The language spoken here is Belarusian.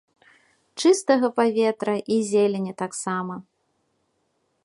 Чыстага паветра і зелені таксама.